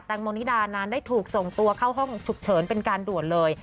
งโมนิดานั้นได้ถูกส่งตัวเข้าห้องฉุกเฉินเป็นการด่วนเลย